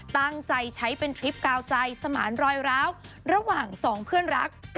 ตั้งใจใช้เป็นทริปกาวใจสมานรอยร้าวระหว่างสองเพื่อนรัก